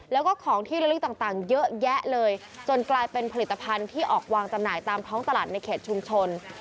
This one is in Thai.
แล้วก็ของที่ละลึกต่างเยอะแยะเลยจนกลายเป็นผลิตภัณฑ์ที่ออกวางจำหน่ายตามท้องตลาดในเขตชุมชน